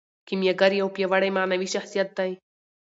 کیمیاګر یو پیاوړی معنوي شخصیت دی.